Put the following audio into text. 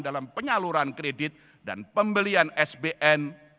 dalam penyaluran kredit dan pembelian sbn